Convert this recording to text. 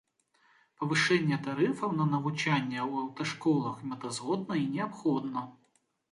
Павышэнне тарыфаў на навучанне ў аўташколах мэтазгодна і неабходна.